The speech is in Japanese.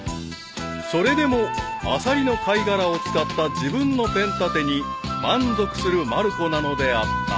［それでもアサリの貝殻を使った自分のペン立てに満足するまる子なのであった］